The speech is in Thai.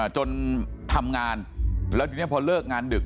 จนทำงานแล้วทีนี้พอเลิกงานดึก